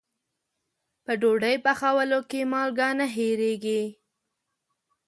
په ډوډۍ پخولو کې مالګه نه هېریږي.